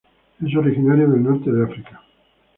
Es originario del Norte de África.